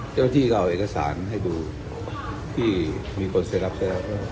เจ้าที่ก็เอาเอกสารให้ดูที่มีคนเสียรับเสียรับ